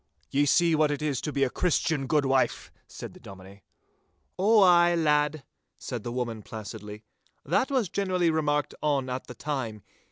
'Ye see what it is to be a Christian, good wife!' said the Dominie. 'Ow ay, lad,' said the woman, placidly. 'That was generally remarked on at the time.